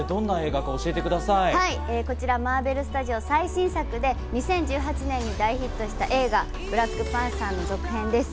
こちらマーベルスタジオ最新作で２０１８年に大ヒットした映画『ブラックパンサー』の続編です。